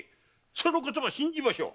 その言葉信じましょう！